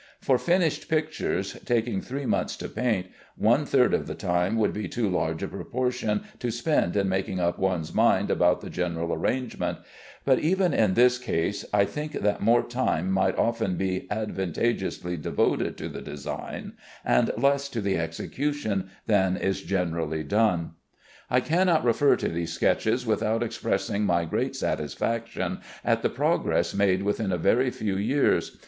For finished pictures, taking three months to paint, one third of the time would be too large a proportion to spend in making up one's mind about the general arrangement; but even in this case I think that more time might often be advantageously devoted to the design and less to the execution than is generally done. I cannot refer to these sketches without expressing my great satisfaction at the progress made within a very few years.